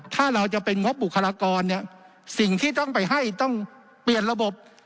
ถ้าเราจะเป็นงบบุคลากรเนี่ยสิ่งที่ต้องไปให้ต้องเปลี่ยนระบบ